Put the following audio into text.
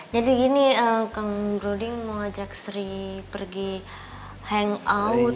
jadi gini kang broding mau ajak sri pergi hangout